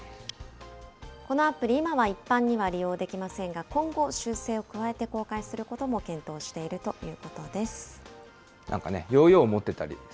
このアプリ、今は一般には利用できませんが、今後、修正を加えて公開するということも検討しているということです。